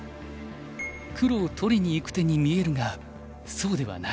黒を取りにいく手に見えるがそうではない。